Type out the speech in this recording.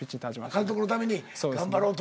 監督のために頑張ろうと。